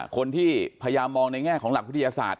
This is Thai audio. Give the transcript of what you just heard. คนที่พยายามมองในแง่ของหลักวิทยาศาสตร์